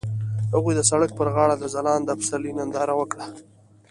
هغوی د سړک پر غاړه د ځلانده پسرلی ننداره وکړه.